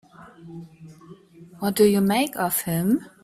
What do you make of him?